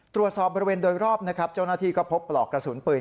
ตรวจสอบบริเวณโดยรอบนะครับเจ้าหน้าที่ก็พบปลอกกระสุนปืน